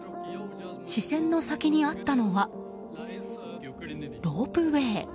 視線の先にあったのはロープウェー。